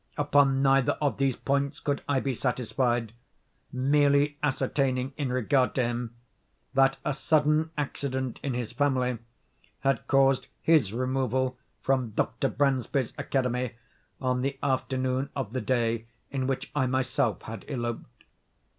Upon neither of these points could I be satisfied; merely ascertaining, in regard to him, that a sudden accident in his family had caused his removal from Dr. Bransby's academy on the afternoon of the day in which I myself had eloped.